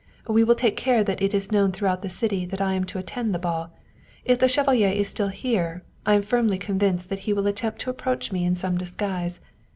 We will take care that it is known throughout the city that I am to attend the ball. If the chevalier is still here, I am firmly convinced that he will attempt to approach me in some disguise.